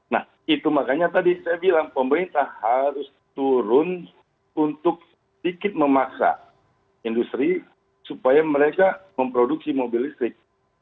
nah itu makanya tadi saya bilang pemerintah harus turun untuk sedikit memaksa industri supaya mereka memproduksi mobil listrik